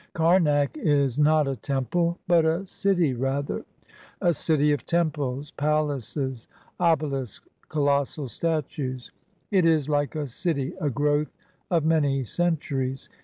71 EGYPT Kamak is not a temple, but a city rather; a city of temples, palaces, obelisks, colossal statues. It is, like a city, a growth of many centuries.